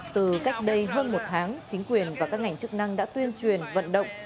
từ cách đây hơn một tháng chính quyền và các ngành chức năng đã tuyên truyền vận động